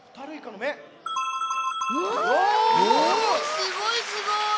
すごいすごい。